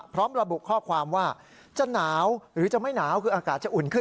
พร้อมระบุข้อความว่าจะหนาวหรือจะไม่หนาวคืออากาศจะอุ่นขึ้น